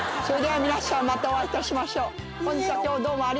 それでは皆さんまたお会いいたしましょう。